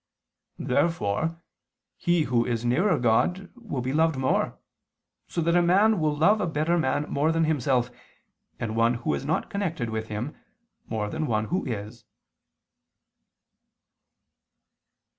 Therefore he who is nearer God will be loved more, so that a man will love a better man more than himself, and one who is not connected with him, more than one who is.